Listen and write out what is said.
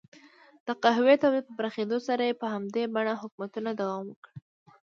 د قهوې تولید په پراخېدو سره یې په همدې بڼه حکومتونو دوام وکړ.